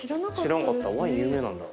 ワイン有名なんだ。